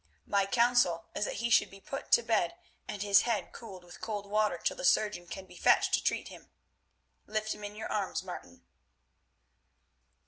My counsel is that he should be put to bed and his head cooled with cold water till the surgeon can be fetched to treat him. Lift him in your arms, Martin."